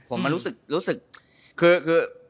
ผมมันรู้สึกคือ